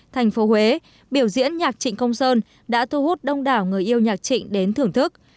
thành phố huế biểu diễn nhạc trịnh công sơn đã thu hút đông đảo người yêu nhạc trịnh đến thưởng thức